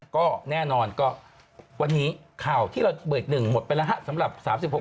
ก็แน่นอนวันนี้ข่าวที่เราเปิดหนึ่งหมดไปแล้วสำหรับ๓๖นาทีครับ